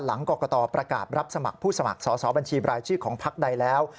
หลังกรกตประกาศรับสมัครผู้สมัครสอบบัญชีบรายชื่อของพักใดแล้ว